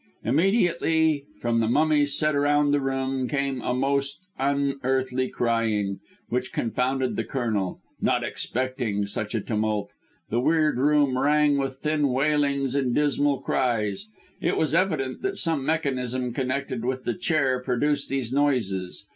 Immediately from the mummies set round the room came a most unearthly crying, which confounded the Colonel, not expecting such a tumult. The weird room rang with thin wailings and dismal cries. It was evident that some mechanism connected with the chair produced these noises.